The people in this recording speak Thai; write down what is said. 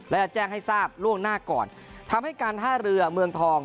และจะแจ้งให้ทราบล่วงหน้าก่อนทำให้การท่าเรือเมืองทอง